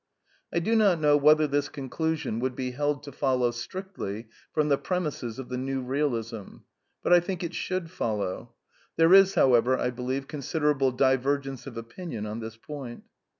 I do not know whether this conclusion would be held to follow strictly from the premisses of the ITew Bealism. But I think it should follow. There is, however, I be lieve, considerable divergence of opinion on this point.